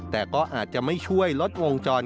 แต่ก็อาจจะไม่ช่วยลดวงจร